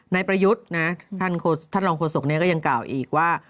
นายประยุทธ์นะท่านรองโฆษกนี้ก็ยังกล่าวอีกว่า